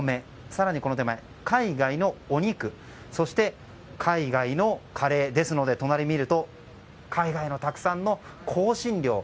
更に、海外のお肉そして、海外のカレーですので隣を見ると海外のたくさんの香辛料。